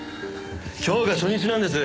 今日が初日なんです。